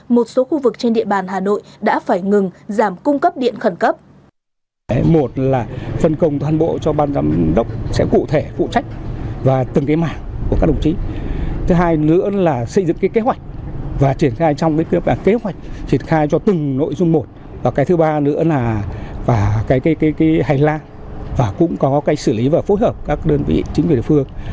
một số khu vực trên địa bàn hà nội đã phải ngừng giảm cung cấp điện khẩn cấp